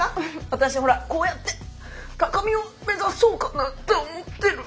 私ほらこうやって高みを目指そうかなって思ってる。